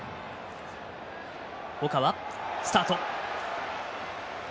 岡、スタート。